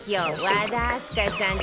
和田明日香さん